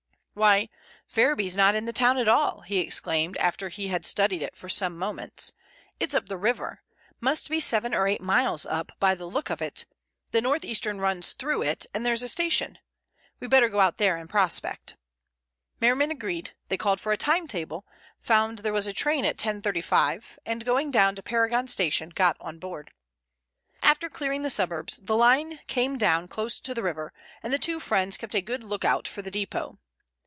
"Why, Ferriby's not in the town at all," he exclaimed after he had studied it for some moments. "It's up the river—must be seven or eight miles up by the look of it; the North Eastern runs through it and there's a station. We'd better go out there and prospect." Merriman agreed, they called for a timetable, found there was a train at 10.35, and going down to Paragon Station, got on board. After clearing the suburbs the line came down close to the river, and the two friends kept a good look out for the depot.